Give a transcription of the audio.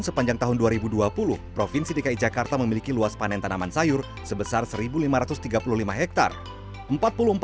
sepanjang tahun dua ribu dua puluh provinsi dki jakarta memiliki luas panen tanaman sayur sebesar satu lima ratus tiga puluh lima hektare